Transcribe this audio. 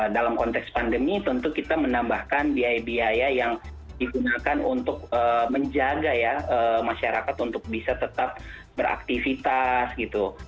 dalam konteks pandemi tentu kita menambahkan biaya biaya yang digunakan untuk menjaga ya masyarakat untuk bisa tetap beraktivitas gitu